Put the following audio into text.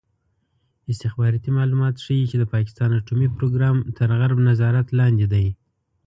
استخباراتي معلومات ښيي چې د پاکستان اټومي پروګرام تر غرب نظارت لاندې دی.